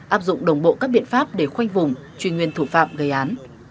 áp dụng đồng bộ các biện pháp để khoanh vùng truy nguyên thủ phạm gây án